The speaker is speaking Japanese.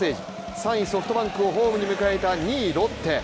３位ソフトバンクをホームに迎えた２位ロッテ。